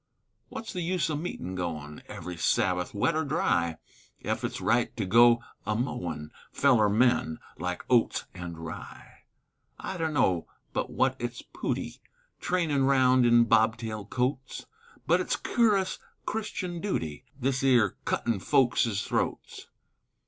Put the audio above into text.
Wut's the use o' meetin' goin' Every Sabbath, wet or dry, Ef it's right to go amowin' Feller men like oats an' rye? I dunno but what it's pooty Trainin' round in bobtail coats, But it's curus Christian dooty This 'ere cuttin' folks's throats.